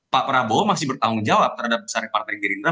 pak prabowo masih bertanggung jawab terhadap besarnya partai gerindra